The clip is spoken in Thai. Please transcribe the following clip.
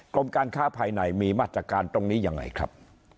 กรมการค้าภายในมีมาตรการตรงนี้ยังไงครับ